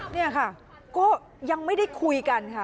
นี่ค่ะก็ยังไม่ได้คุยกันค่ะ